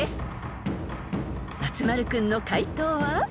［松丸君の解答は？］